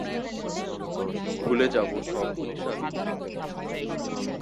ভুলে যাবো সব হিংসা বিভেদ